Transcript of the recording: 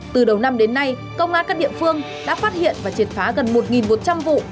từ đầu năm đến nay công an các địa phương đã phát hiện và triệt phá gần một một trăm linh vụ